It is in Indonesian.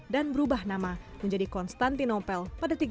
dan berubah nama bosphorus menjadi kota yang terkenal di dunia